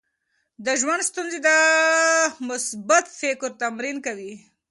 د ژوند ستونزې د مثبت فکر تمرین کوي.